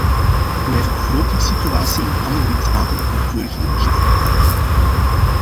Zij blijft de begrotingssituatie in alle lidstaten nauwkeurig in de gaten houden.